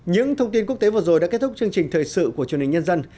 những thông tin quốc tế vừa rồi đã kết thúc chương trình thời sự của truyền hình nhân dân